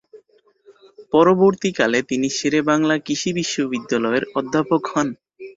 পরবর্তীকালে তিনি শেরেবাংলা কৃষি বিশ্ববিদ্যালয়ের অধ্যাপক হন।